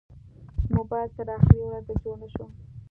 موبایل تر اخرې ورځې جوړ نه شو.